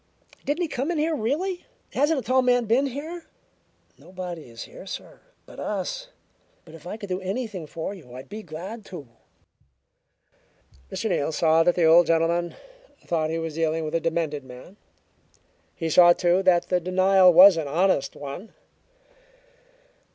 "Didn't he come in here, really? Hasn't a tall man been here?" "Nobody is here, sir, but us. But if I could do anything for you, I'd be glad to." Mr. Neal saw that the old gentleman thought he was dealing with a demented man; he saw, too, that the denial was an honest one.